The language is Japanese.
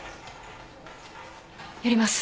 やります。